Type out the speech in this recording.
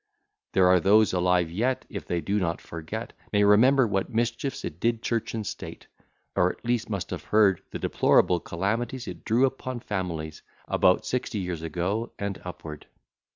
There are those alive yet, If they do not forget, May remember what mischiefs it did church and state: Or at least must have heard The deplorable calamities It drew upon families, About sixty years ago and upward.